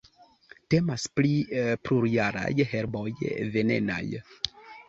Temas pri plurjaraj herboj venenaj.